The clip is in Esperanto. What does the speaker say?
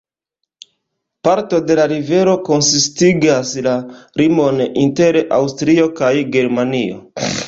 Parto de la rivero konsistigas la limon inter Aŭstrio kaj Germanio.